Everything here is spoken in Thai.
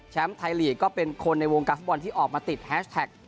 ไทยลีกก็เป็นคนในวงการฟุตบอลที่ออกมาติดแฮชแท็ก